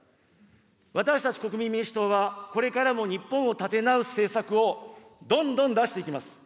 私たち国民民主党は、これからも日本を立て直す政策をどんどん出していきます。